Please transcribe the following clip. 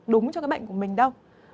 đúng cho cái bệnh của mình đâu